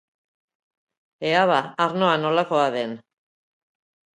Ea ba arnoa nolakoa den.